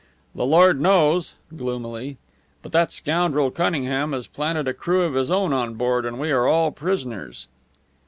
"The Lord knows!" gloomily. "But that scoundrel Cunningham has planted a crew of his own on board, and we are all prisoners."